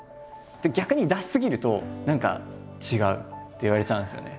逆に出し過ぎると何か違うって言われちゃうんですよね。